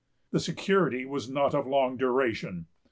The security was not of long duration.